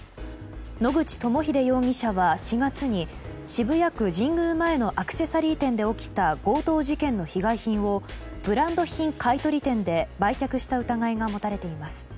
野口朋秀容疑者は４月に渋谷区神宮前のアクセサリー店で起きた強盗事件の被害品をブランド品買い取り店で売却した疑いが持たれています。